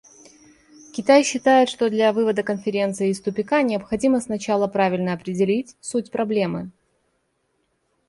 Китай считает, что для вывода Конференции из тупика необходимо сначала правильно определить суть проблемы.